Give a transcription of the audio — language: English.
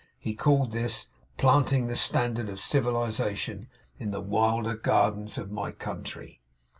He called this 'planting the standard of civilization in the wilder gardens of My country.